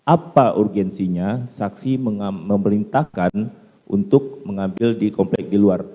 apa urgensinya saksi memerintahkan untuk mengambil di komplek di luar